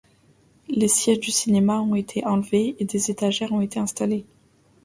Les sièges du cinéma ont été enlevés et des étagères ont été installées.